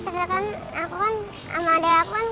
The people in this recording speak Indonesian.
aku kan sama adek aku kan